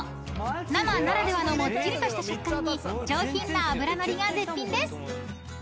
［生ならではのもっちりとした食感に上品な脂のりが絶品です］